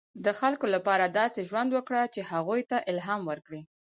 • د خلکو لپاره داسې ژوند وکړه، چې هغوی ته الهام ورکړې.